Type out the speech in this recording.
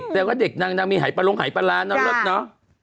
แปลว่าเด็กนางนางมีหายประลงหายประลานางเลิศเนาะ